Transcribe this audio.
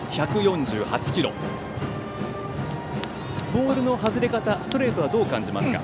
ボールの外れ方、ストレートはどう感じますか？